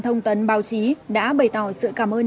thông tấn báo chí đã bày tỏ sự cảm ơn